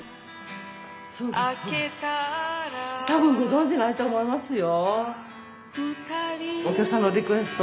たぶんご存じないと思いますよ。